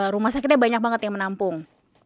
rumah sakitnya banyak banget yang menampung